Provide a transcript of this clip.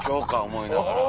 思いながら。